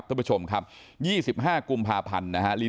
ทุกประชุมครับ๒๕กุมพาพันธ์นะฮะ